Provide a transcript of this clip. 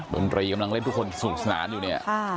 ดนตรีกำลังเล่นทุกคนสนุกสนานอยู่เนี่ย